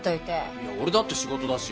いや俺だって仕事だし。